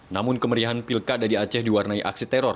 namun kemeriahan pilkada di aceh diwarnai aksi teror